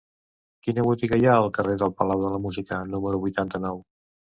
Quina botiga hi ha al carrer del Palau de la Música número vuitanta-nou?